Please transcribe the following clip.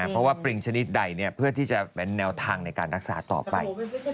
เพราะว่าปริงชนิดใดเพื่อที่จะเป็นแนวทางในการรักษาต่อไป